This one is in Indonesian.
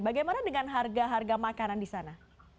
bagaimana dengan harga harga makanan di sana